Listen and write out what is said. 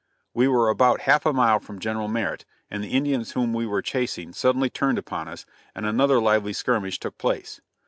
We were about half a mile from General Merritt, and the Indians whom we were chasing suddenly turned upon us, and another lively skirmish took place.